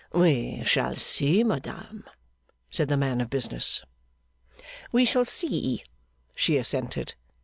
'We shall see, madame!' said the man of business. 'We shall see,' she assented.